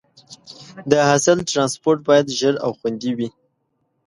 د حاصل ټرانسپورټ باید ژر او خوندي وي.